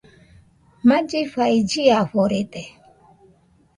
Mallifai chiaforede